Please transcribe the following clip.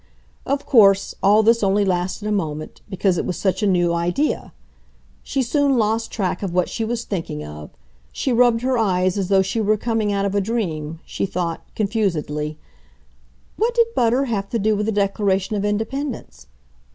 Of course all this only lasted a moment, because it was such a new idea! She soon lost track of what she was thinking of; she rubbed her eyes as though she were coming out of a dream, she thought, confusedly: "What did butter have to do with the Declaration of Independence?